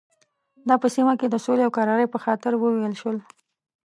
دا په سیمه کې د سولې او کرارۍ په خاطر وویل شول.